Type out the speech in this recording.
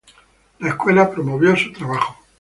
La escuela promovió su trabajo.